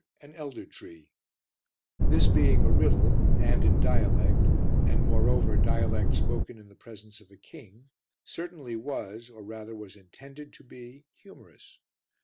An elder tree. This being a riddle and in dialect and, moreover, dialect spoken in the presence of a king, certainly was, or rather was intended to be, humorous.